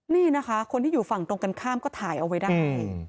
นี่นะคะคนที่อยู่ฝั่งตรงกันข้ามก็ถ่ายเอาไว้ได้